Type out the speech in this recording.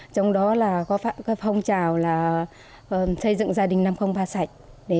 trong đó có phong trào xây dựng gia đình năm trăm linh ba sạch